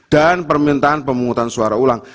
permintaan pemungutan suara ulang